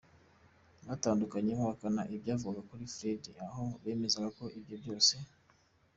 butandukanye bahakana ibyavugwaga kuri Fred, aho bemezaga ko ibyo byose.